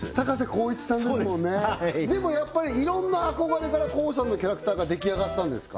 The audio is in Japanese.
そうですはいでもやっぱりいろんな憧れからＫＯＯさんのキャラクターが出来上がったんですか？